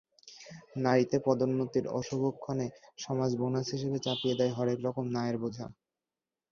নারীতে পদোন্নতির অশুভক্ষণে সমাজ বোনাস হিসেবে চাপিয়ে দেয় হরেক রকম না-এর বোঝা।